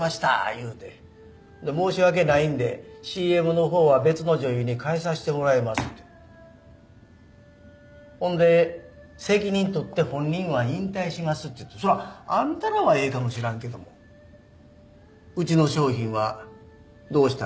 いうて申し訳ないんでＣＭの方は別の女優に代えさしてもらいますってほんで責任取って本人は引退しますっつってそらあんたらはええかもしらんけどもうちの商品はどうしたらええ？